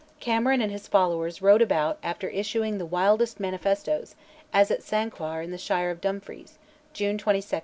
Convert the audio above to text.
Cameron and his followers rode about after issuing the wildest manifestoes, as at Sanquhar in the shire of Dumfries (June 22, 1680).